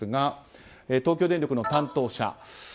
東京電力の担当者。